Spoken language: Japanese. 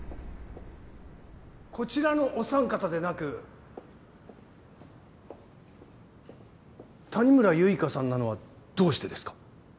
こちらのお３方でなく谷村結花さんなのはどうしてですか？